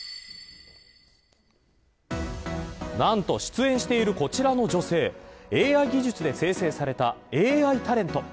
なんと出演しているこちらの女性ＡＩ技術で生成されたＡＩタレント。